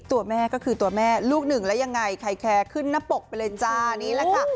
ตัวแม่ก็คือตัวแม่ลูกหนึ่งแล้วยังไงใครแคร์ขึ้นหน้าปกไปเลยจ้านี่แหละค่ะ